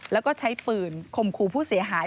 แล้วก็ใช้ปืนคมครูผู้เสียหาย